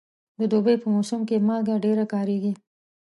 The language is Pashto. د دوبي په موسم کې مالګه ډېره کارېږي.